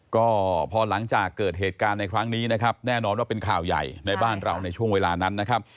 ก็พอหลังจากเกิดเหตุการณ์ในครั้งนี้นะครับแน่นอนว่าเป็นข่าวใหญ่ในบ้านเราในช่วงเวลานั้นนะครับ